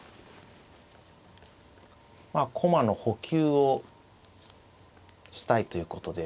まあ駒の補給をしたいということです。